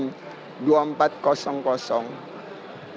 jadi kita akan menekan tombol pada saat menjelang